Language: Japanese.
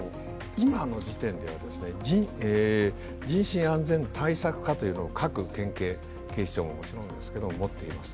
今の時点では人身安全対策課というのを各県警、警視庁もそうですが持っています。